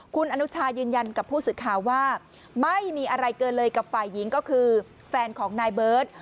คุณอนุชายืนยันกับผู้สื่อข่าวว่าไม่มีอะไรเกินเลยกับฝ่ายหญิงก็คือแฟนของนายเบิร์ต